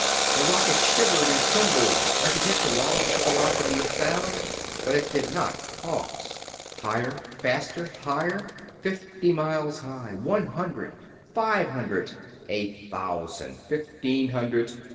The rocket shivered and trembled as it hit the wall at the velocity of sound, but it did not pause. Higher! Faster! Higher! Fifty miles high. One hundred ... five hundred ... a thousand ... fifteen hundred